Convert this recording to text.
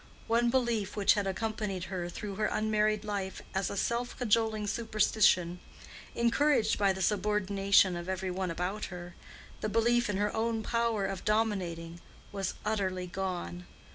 One belief which had accompanied her through her unmarried life as a self cajoling superstition, encouraged by the subordination of every one about her—the belief in her own power of dominating—was utterly gone.